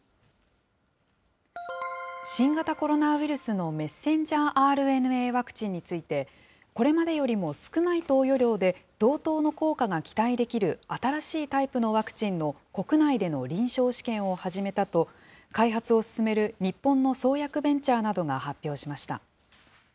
新型コロナウイルスのｍＲＮＡワクチンについて、これまでよりも少ない投与量で同等の効果が期待できる新しいタイプのワクチンの国内での臨床試験を始めたと、開発を進める日本の創薬ベンチャーなどが発表しました。